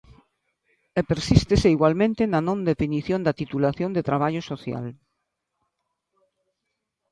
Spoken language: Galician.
E persístese igualmente na non definición da titulación de Traballo Social.